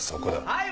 はい！